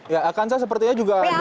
ya akan saya sepertinya juga